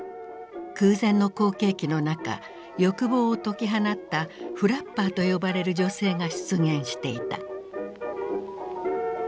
空前の好景気の中欲望を解き放ったフラッパーと呼ばれる女性が出現していた。